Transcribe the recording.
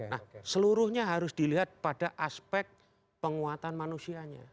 nah seluruhnya harus dilihat pada aspek penguatan manusianya